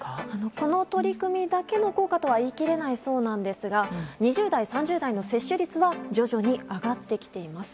この取り組みだけの効果とは言い切れないそうですが２０代、３０代の接種率は徐々に上がってきています。